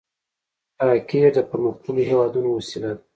راکټ د پرمختللو هېوادونو وسیله ده